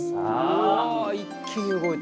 うわ一気に動いた！